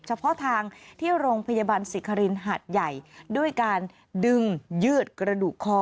เฉพาะทางที่โรงพยาบาลสิครินหัดใหญ่ด้วยการดึงยืดกระดูกคอ